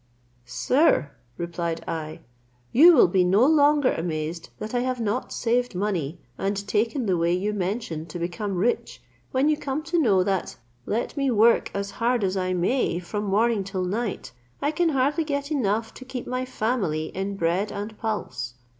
"Sir," replied I, "you will be no longer amazed that I have not saved money and taken the way you mention to become rich, when you come to know that, let me work as hard as I may from morning till night, I can hardly get enough to keep my family in bread and pulse.